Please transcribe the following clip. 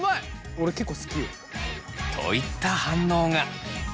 俺結構好きよ。といった反応が。